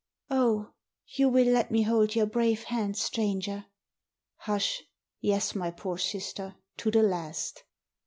"Oh, you will let me hold your brave hand, stranger? " "Hush! Yes, my poor sister, to the last."